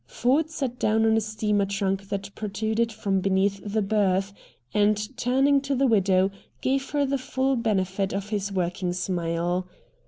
Ford sat down on a steamer trunk that protruded from beneath the berth, and, turning to the widow, gave her the full benefit of his working smile.